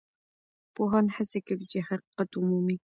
پوهان هڅه کوي چي حقیقت ومومي.